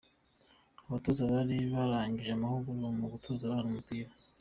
Abatoza bari barangije amahugurwa mu gutoza abana umupira.